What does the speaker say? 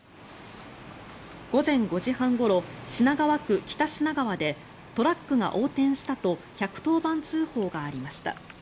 午前５時半ごろ、品川区北品川でトラックが横転したと１１０番通報がありました。